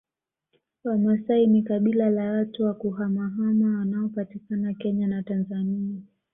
Wamasai ni kabila la watu wa kuhamahama wanaopatikana Kenya na Tanzania